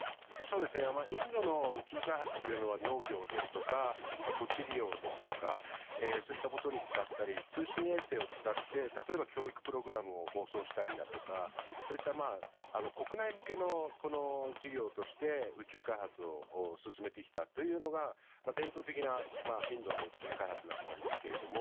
インドの宇宙開発というのは農業ですとか土地利用ですとかそういったことに使ったり通信衛星を使って例えば教育プログラムを放送したりだとかそういった国内向けの事業として宇宙開発を進めてきたというのが伝統的なインドの宇宙開発だったんですけれども。